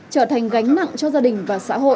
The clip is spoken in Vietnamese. trở thành gánh nặng cho gia đình và xã hội